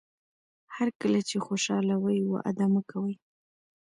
هر کله چې خوشاله وئ وعده مه کوئ.